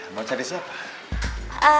mau cari siapa